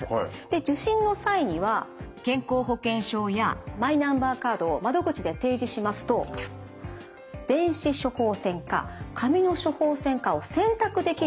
受診の際には健康保険証やマイナンバーカードを窓口で提示しますと電子処方箋か紙の処方箋かを選択できるようになっているんですね。